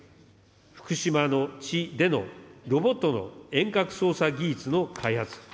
福島の地でのロボットの遠隔操作技術の開発。